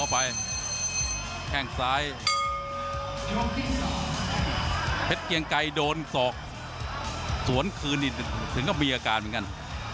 เพชรเกียงไกรโดนศอกสวนคืนนี่ถึงก็มีอาการเหมือนกัน